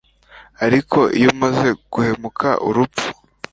Ariko iyo umaze guhumeka urupfu